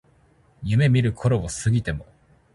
夢見る頃を過ぎても